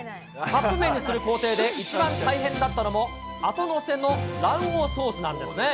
カップ麺にする工程で一番大変だったのもあとのせの卵黄ソースなんですね。